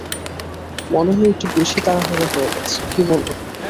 মনে হয় একটু বেশি তাড়াহুড়ো হয়ে যাচ্ছে, কী বলো?